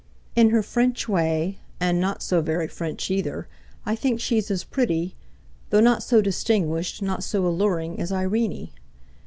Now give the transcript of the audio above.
In her French way, and not so very French either, I think she's as pretty—though not so distinguished, not so alluring—as Irene.